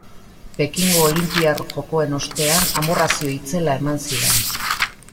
Pekingo olinpiar jokoen ostean amorrazio itzela eman zidan.